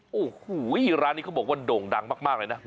โอ้โหร้านนี้เขาบอกว่าโด่งดังมากเลยนะ